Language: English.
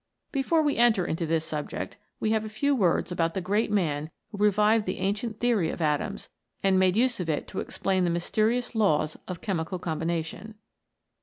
Before we enter into this subject, we have a few words about the great man who revived the ancient theory of atoms, and made use of it to explain the mysterious laws of chemical combination.